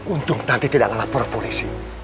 untung nanti tidak ngelapor ke polisi